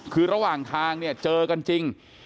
คือระหว่างทางเนี่ยเจอกันจริง